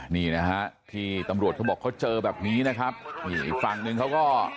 นี่นะครับที่ตำรวจบอกเขาเจอแบบนี้นะครับอีกฝั่งก็ก็มีคนถ่ายครบที่เขาเอาไว้ด้วยเนาะ